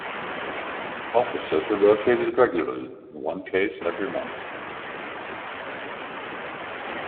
Officers were rotated regularly-in one case every month.